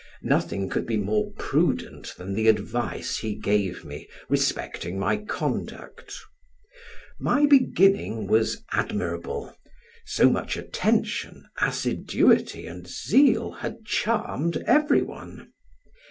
Nothing could be more prudent than the advice he gave me respecting my conduct. My beginning was admirable; so much attention, assiduity, and zeal, had charmed everyone.